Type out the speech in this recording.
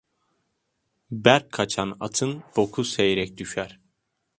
Berk kaçan atın boku seyrek düşer.